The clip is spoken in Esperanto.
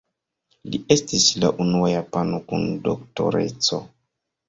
Li estis la unua japano kun Doktoreco.